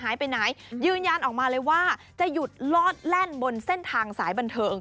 หายไปไหนยืนยันออกมาเลยว่าจะหยุดลอดแล่นบนเส้นทางสายบันเทิง